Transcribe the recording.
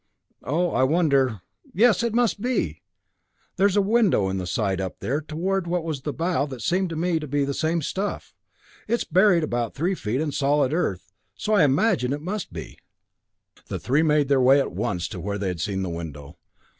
Oh I wonder yes, it must be! There's a window in the side up there toward what was the bow that seemed to me to be the same stuff. It's buried about three feet in solid earth, so I imagine it must be." The three made their way at once to where they had seen the window.